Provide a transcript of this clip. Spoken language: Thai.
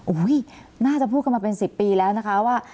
โอ้โหน่าจะพูดกันมาเป็น๑๐ปีแล้วนะคะว่า